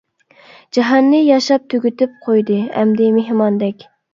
جاھاننى ياشاپ تۈگىتىپ قويدى، ئەمدى مېھماندەك!